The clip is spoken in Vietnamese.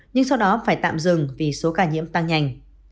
nhưng sau đó phải tạm dừng vì số ca nhiễm tăng nhanh